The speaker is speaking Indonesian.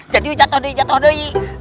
jadi jatuh jatuh doi